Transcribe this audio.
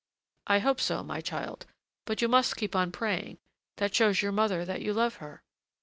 "I hope so, my child; but you must keep on praying: that shows your mother that you love her."